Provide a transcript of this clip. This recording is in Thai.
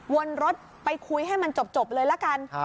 วนรถไปคุยให้มันจบเลยละกัน